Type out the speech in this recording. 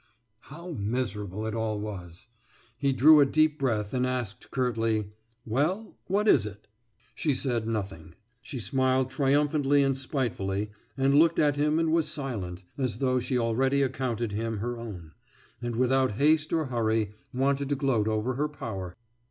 « How miserable it all was! He drew a deep breath and asked curtly: »Well, what is it?« She said nothing. She smiled triumphantly and spitefully, looked at him and was silent, as though she already accounted him her own, and without haste or hurry wanted to gloat over her power.